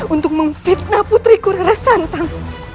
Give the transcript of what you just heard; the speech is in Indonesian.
untuk memfitnah putri kura rasantang